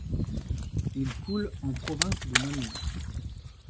Il coule en province de Namur.